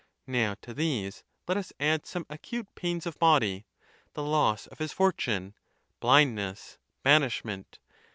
Now, to these let us add some acute pains of body, the loss of his fortune, blindness, banishment.